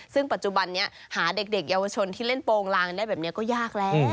ซึ่งปัจจุบันนี้หาเด็กเยาวชนที่เล่นโปรงลางได้แบบนี้ก็ยากแล้ว